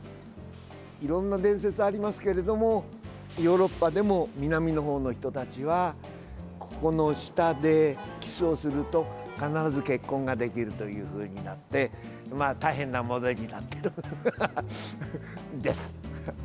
いろんな伝説がありますけれどもヨーロッパでも南のほうの人たちはここの下でキスをすると必ず結婚ができるという大変なものになっているんです。